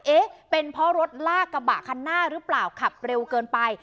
เอ๊ะเป็นเพราะรถลากกระบะคันหน้าหรือเปล่าขับเร็วเกินไป